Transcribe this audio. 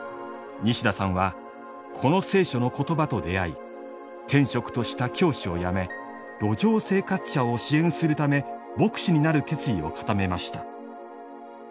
西田さんはこの「聖書」の言葉と出会い天職とした教師を辞め路上生活者を支援するため牧師になる決意を固めました。